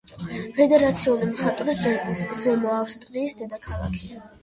ფედერაციული მხარის, ზემო ავსტრიის დედაქალაქი.